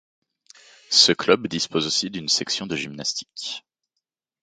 Ce club dispose aussi d’une section de Gymnastique.